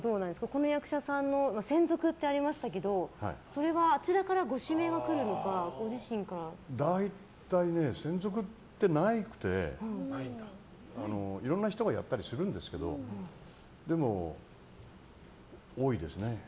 この役者さんの専属ってありましたけどそれは、あちらからご指名が来るのか大体、専属ってなくていろんな人がやったりするんですけどでも、多いですね。